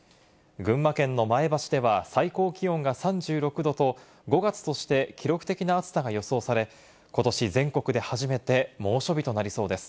群馬県の前橋では最高気温が３６度と５月として記録的な暑さが予想され、ことし全国で初めて猛暑日となりそうです。